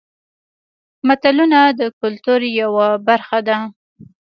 متلونه د کولتور یوه برخه ده